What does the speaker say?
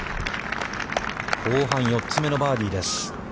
後半・４つ目のバーディーです。